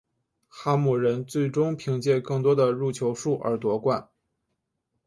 哈姆人最终凭借更多的入球数而夺冠。